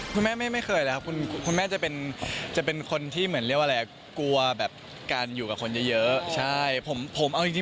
คุณแม่ไม่เคยคุณแม่จะเป็นคนที่กลัวอยู่กับคนเยอะกรับทำอะไร